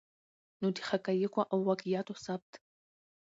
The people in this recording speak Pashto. نو د حقایقو او واقعاتو ثبت